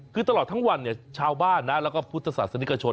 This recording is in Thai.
คือตลอดทั้งวันเนี่ยชาวบ้านนะแล้วก็พุทธศาสนิกชน